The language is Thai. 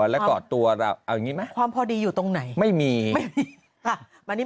แล้วก็ตัวเราเอาอย่างนี้นะความพอดีอยู่ตรงไหนไม่มีมันนี้